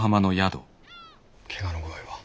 怪我の具合は？